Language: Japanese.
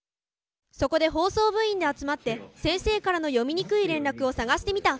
そこで放送部員で集まって先生からの読みにくい連絡を探してみた。